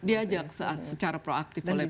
diajak secara proaktif oleh